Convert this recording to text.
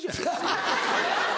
ハハハハ！